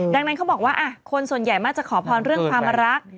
ดังนั้นเขาบอกว่าคนส่วนใหญ่มักจะขอพรเรื่องความรัก